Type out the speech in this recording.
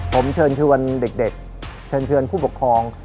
ผมเชิญคือวันเด็กเชิญผู้ปกครอง